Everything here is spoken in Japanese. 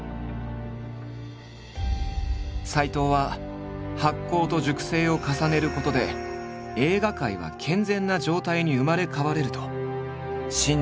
斎藤は発酵と熟成を重ねることで映画界は健全な状態に生まれ変われると信じている。